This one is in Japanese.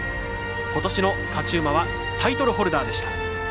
ことしの勝ち馬はタイトルホルダーでした。